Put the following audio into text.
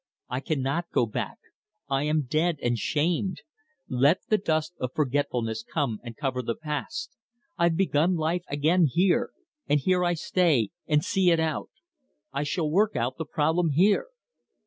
"I cannot go back. I am dead and shamed. Let the dust of forgetfulness come and cover the past. I've begun life again here, and here I stay, and see it out. I shall work out the problem here."